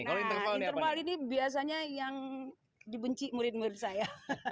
nah internal ini biasanya yang dibenci murid murid saya